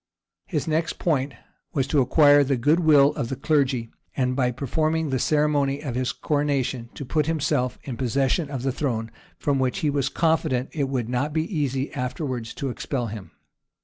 His next point was to acquire the good will of the clergy; and by performing the ceremony of his coronation, to put himself in possession of the throne, from which he was confident it would not be easy afterwards to expel him.